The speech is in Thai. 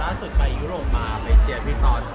สุดไปยุโรปมาไปเชียร์พี่ซอน